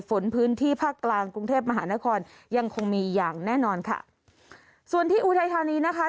ฝนพื้นที่ภาคกลางกรุงเทพมหานครยังคงมีอย่างแน่นอนค่ะส่วนที่อุทัยธานีนะคะ